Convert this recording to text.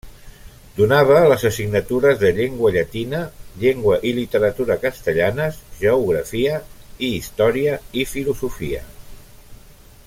Donava les assignatures de llengua llatina, llengua i literatura castellanes, geografia i història i filosofia.